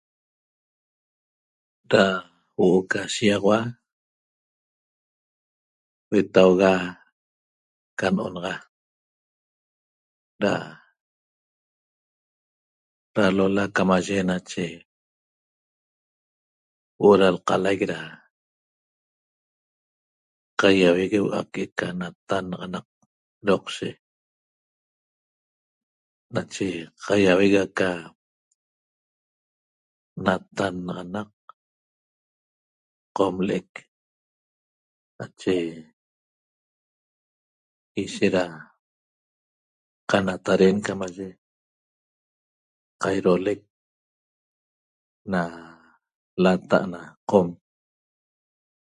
Da huoo ca shiaxaua huetaxa ca nonaxa da lalo camaye nache huoo da olcalay da caiauegueua queca natannaxaqui doqshe nache caihueguehua ca natannaxanaq qomleq nache ishet da canataren ca lcamaye cairoleq natala qom